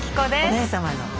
お姉様の方。